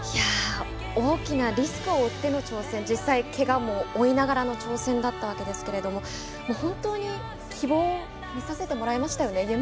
大きなリスクを負っての挑戦、実際けがも負いながらの挑戦だったわけですが本当に希望を見させてもらいましたよね。